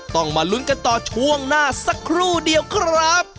ต้องมาลุ้นกันต่อช่วงหน้าสักครู่เดียวครับ